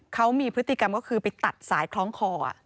เขามีพฤติกรรมก็คือไปตัดสายคล้องคอ